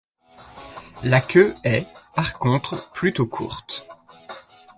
La queue est, par contre, plutôt courte.